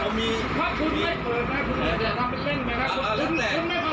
คุณเป็นตลกภหมู่บ้าน